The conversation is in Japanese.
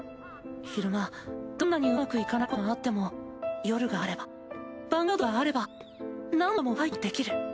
昼間どんなにうまくいかないことがあっても夜があればヴァンガードがあれば何度もファイトできる。